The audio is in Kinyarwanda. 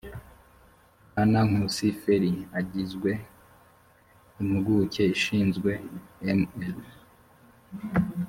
bwana nkusi felly agizwe impuguke ishinzwe mr